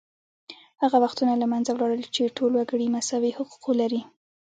هغه وختونه له منځه لاړل چې ټول وګړي مساوي حقوق لري